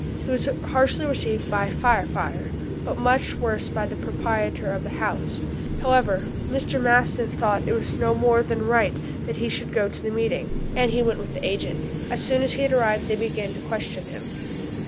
He was harshly received by "Fire Fire," but much worse by the proprietor of the house. However, Mr. Maston thought it was no more than right that he should go to the meeting, and he went with the agent. As soon as he had arrived they began to question him.